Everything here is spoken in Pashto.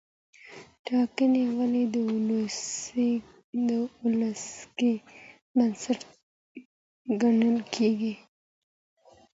ټاکنې ولي د ولسواکۍ بنسټ ګڼل کېږي؟